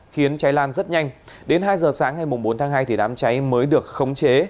khiến cháy lan rất nhanh đến hai giờ sáng ngày bốn tháng hai thì đám cháy mới được khống chế